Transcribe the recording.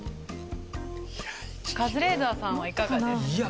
カズレーザーさんはいかがですか？